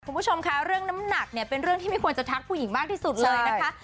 คุณผู้ชมค่ะเรื่องน้ำหนักเนี่ยเป็นเรื่องที่ไม่ควรจะทักผู้หญิงมากที่สุดเลยนะคะ